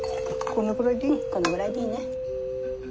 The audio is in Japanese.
うんこのぐらいでいいね。